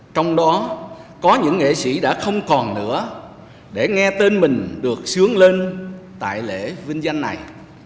trong đó có những nghệ sĩ đã không còn nữa để nghe tên mình được sướng lên tại lễ vinh danh này